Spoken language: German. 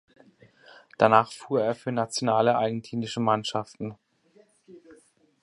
Danach fuhr er für nationale argentinische Mannschaften.